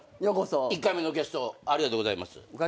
１回目のゲストありがとうございます。